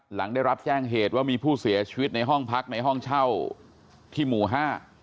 หลังได้รับแจ้งเหตุว่ามีผู้เสียชีวิตในห้องพักในห้องเช่าที่หมู่ห้า